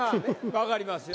分かりますよ。